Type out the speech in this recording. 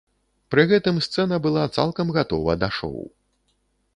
Пры гэтым сцэна была цалкам гатова да шоу.